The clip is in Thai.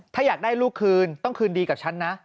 ถ้าอยากได้ลูกคืนต้องคืนดีกับฉันนะ